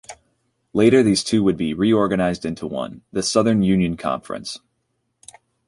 Later these two would be reorganized into one, the Southern Union Conference.